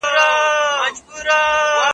ته به زما لیدلو ته راځی او زه به تللی یم